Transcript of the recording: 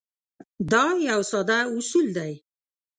دا یو ساده اصول دی.